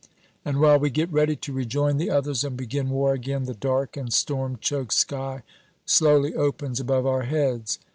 And while we get ready to rejoin the others and begin war again, the dark and storm choked sky slowly opens above our heads.